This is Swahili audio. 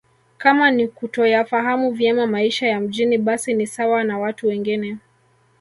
Kama ni kutoyafahamu vyema maisha ya mjini basi ni sawa na watu wengine